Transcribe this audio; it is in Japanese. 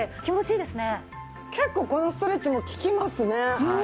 結構このストレッチも効きますね。